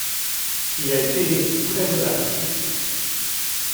Il a été prévôt d'Arras.